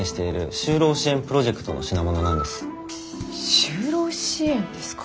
就労支援ですか。